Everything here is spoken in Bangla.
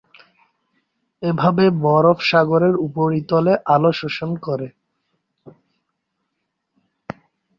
এভাবে বরফ সাগরের উপরিতলে আলো শোষণ করে।